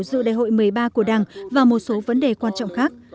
dự đại hội một mươi ba của đảng và một số vấn đề quan trọng khác